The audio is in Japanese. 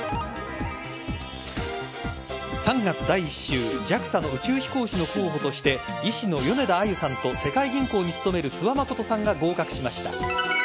３月第１週ＪＡＸＡの宇宙飛行士の候補として医師の米田あゆさんと世界銀行に勤める諏訪理さんが合格しました。